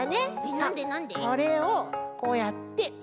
さっこれをこうやって。